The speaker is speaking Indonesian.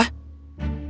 semua orang diaudahkan